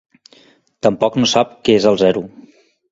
Tampoc no sap què és el zero.